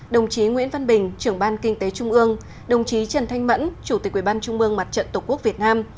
đồng chí nguyễn văn bình trưởng ban kinh tế trung ương đồng chí trần thanh mẫn chủ tịch quyền ban trung mương mặt trận tổ quốc việt nam